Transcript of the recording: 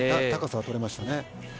高さはとれましたね。